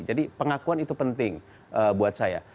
jadi pengakuan itu penting buat saya